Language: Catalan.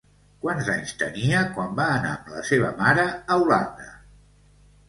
Quants anys tenia quan va anar amb la seva mare a Holanda?